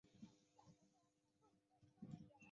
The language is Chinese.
真正做到政治自觉、法治自觉和检察自觉